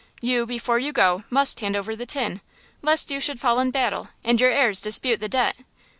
You, before you go, must hand over the tin, lest you should fall in battle and your heirs dispute the debt!